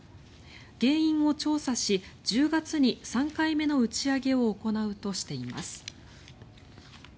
原因を調査し１０月に３回目の打ち上げを行うとしています。